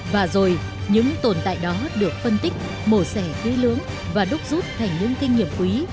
và rồi những tồn tại đó được phân tích mổ xẻ kỹ lưỡng và đúc rút thành những kinh nghiệm quý